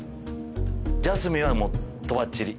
ジャスミンはもうとばっちり。